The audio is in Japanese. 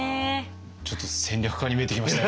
ちょっと戦略家に見えてきましたよ。